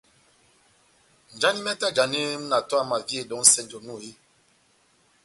Njani mɛtɛ ajani múna tɛ́h amaviyedɛ ó nʼsɛnjɛ onu eeeh ?